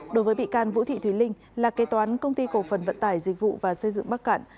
đối với bị can vũ thị thùy linh là kế toán công ty cổ phần vận tải dịch vụ và xây dựng bắc cạn